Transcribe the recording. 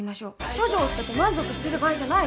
処女を捨てて満足してる場合じゃないの。